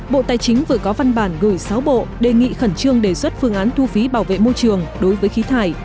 bộ tài chính vừa có văn bản gửi sáu bộ đề nghị khẩn trương đề xuất phương án thu phí bảo vệ môi trường đối với khí thải